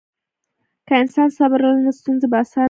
که انسان صبر ولري، نو ستونزې به اسانه شي.